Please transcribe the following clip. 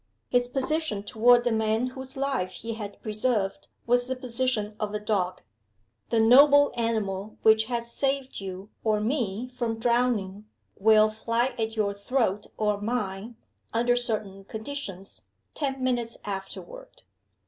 His position toward the man whose life he had preserved was the position of a dog. The "noble animal" who has saved you or me from drowning will fly at your throat or mine, under certain conditions, ten minutes afterward.